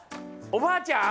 おばあちゃん